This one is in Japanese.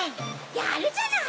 やるじゃない！